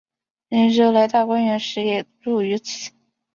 邢岫烟来大观园时也住于此。